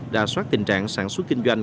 đà soát tình trạng sản xuất kinh doanh